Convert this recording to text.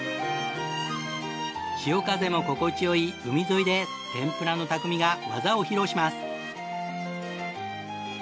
潮風も心地よい海沿いで天ぷらの匠が技を披露します。